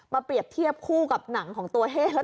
มาเปรียบเทียบคู่กับหนังของตัวเฮ่แล้วหนังลูก